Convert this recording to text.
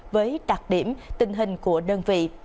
với đặc điểm tình hình của đơn vị